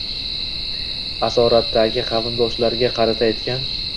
asoratdagi qavmdoshlariga qarata aytgan